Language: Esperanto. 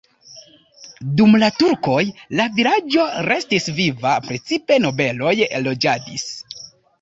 Dum la turkoj la vilaĝo restis viva, precipe nobeloj loĝadis.